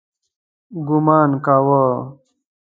ګومان کاوه.